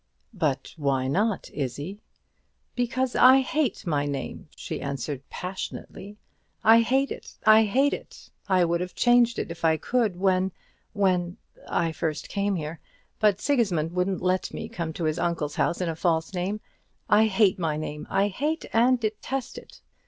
"But why not, Izzie?" "Because I hate my name," she answered, passionately. "I hate it; I hate it! I would have changed it if I could when when I first came here; but Sigismund wouldn't let me come to his uncle's house in a false name. I hate my name; I hate and detest it."